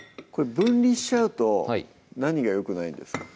分離しちゃうと何がよくないんですか？